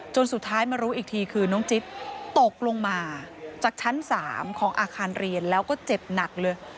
สุดท้ายมารู้อีกทีคือน้องจิ๊บตกลงมาจากชั้น๓ของอาคารเรียนแล้วก็เจ็บหนักเลย